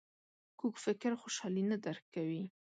کوږ فکر خوشحالي نه درک کوي